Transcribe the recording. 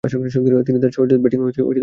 তিনি তার সহজাত ব্যাটিং প্রদর্শন করতেন।